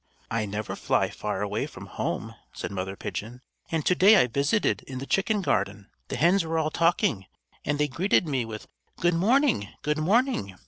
"I never fly far away from home," said Mother Pigeon, "and to day I visited in the chicken yard. The hens were all talking, and they greeted me with 'Good morning! Good morning!'